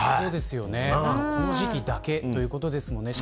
この時季だけということですもんね